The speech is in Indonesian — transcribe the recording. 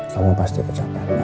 kamu pasti kecap kandang aja